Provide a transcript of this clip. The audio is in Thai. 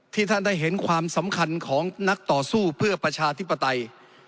ท่านได้เห็นความสำคัญของนักต่อสู้เพื่อประชาธิปไตย